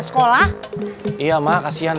setelah beri balasan